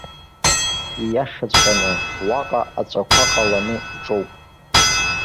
Ииашаҵәҟьаны, уаҟа аҵәақәа ҟаланы иҿоуп.